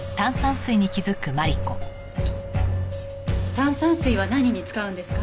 炭酸水は何に使うんですか？